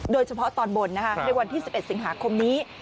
โดยเฉพาะตอนบนในวันที่๑๑สิงหาคมนี้